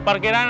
masih di pasar